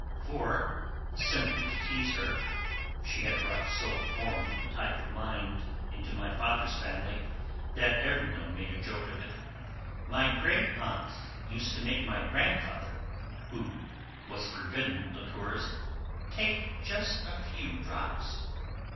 For, simply to tease her (she had brought so foreign a type of mind into my father's family that everyone made a joke of it), my great aunt used to make my grandfather, who was forbidden liqueurs, take just a few drops.